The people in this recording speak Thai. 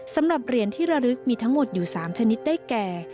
สำหรับเหรียญที่ระลึกมีทั้งหมดอยู่๓ชนิดได้แก่